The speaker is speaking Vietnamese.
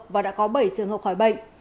và đã có bảy trường hợp khỏi bệnh